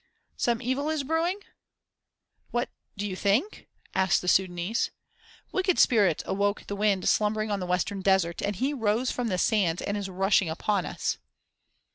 "Some evil is brewing?" "What, do you think?" asked the Sudânese. "Wicked spirits awoke the wind slumbering on the western desert, and he rose from the sands and is rushing upon us."